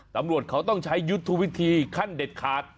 ตำรวจเขาต้องใช้ยุทธวิธีขั้นเด็ดขาด